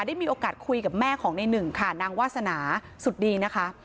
ได้มีโอกาสคุยกับแม่ของในหนึ่งค่ะนางวาสนาสุดดีนะคะ